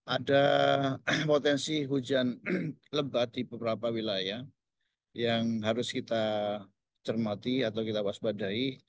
ada potensi hujan lebat di beberapa wilayah yang harus kita cermati atau kita waspadai